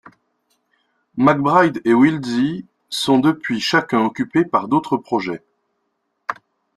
McBride et Wiltzie sont depuis chacun occupés par d'autres projets.